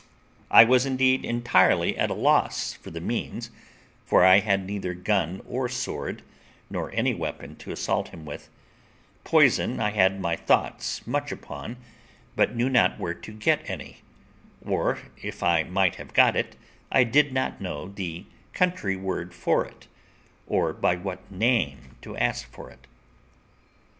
I was indeed entirely at a loss for the means, for I had neither gun or sword, nor any weapon to assault him with; poison I had my thoughts much upon, but knew not where to get any; or, if I might have got it, I did not know the country word for it, or by what name to ask for it.